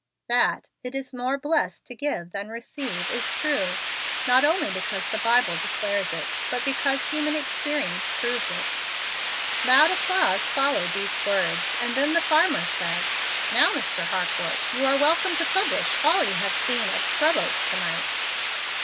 That 'it is more blessed to give than receive' is true, not only because the Bible declares it, but because human experience proves it." Loud applause followed these words, and then the farmer said, "Now, Mr. Harcourt, you are welcome to publish all you have seen at Scrub Oaks to night."